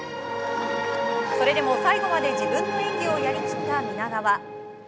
それでも、最後まで自分の演技をやり切った皆川。